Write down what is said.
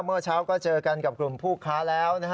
เมื่อเช้าก็เจอกันกับกลุ่มผู้ค้าแล้วนะฮะ